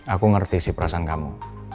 aku ngerti sih perasaan kamu